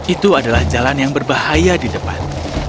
itu adalah jalan yang berbahaya di depan